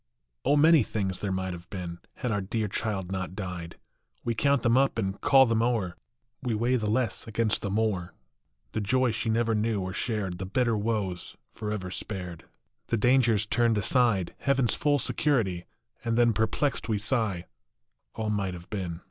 O many things there might have been, Had our dear child not died. We count them up and call them o er, We weigh the less against the more, The joy she never knew or shared, The bitter woes forever spared, The dangers turned aside, Heaven s full security, and then Perplexed we sigh, all might have been.